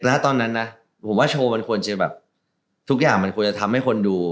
นะตอนนั้นนะผมว่าโชว์มันควรจะแบบทุกอย่างมันควรจะทำให้คนดู